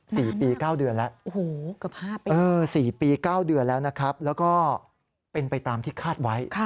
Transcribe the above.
สี่ปีเก้าเดือนแล้วนะครับแล้วก็เป็นไปตามที่คาดไว้